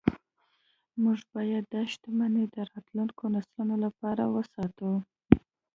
موږ باید دا شتمني د راتلونکو نسلونو لپاره وساتو